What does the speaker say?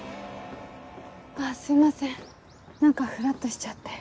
あっすいません何かふらっとしちゃって。